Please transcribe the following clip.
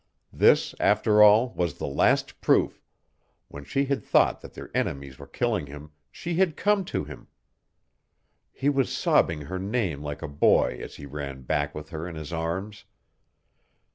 This, after all, was the last proof when she had thought that their enemies were killing him SHE HAD COME TO HIM. He was sobbing her name like a boy as he ran back with her in his arms.